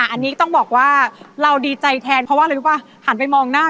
อันนี้ต้องบอกว่าเราดีใจแทนเพราะว่าอะไรรู้ป่ะหันไปมองหน้า